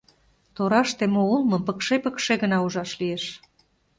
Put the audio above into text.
Тораште мо улмым пыкше-пыкше гына ужаш лиеш;